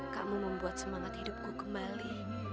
kamu membuat semangat hidupku kembali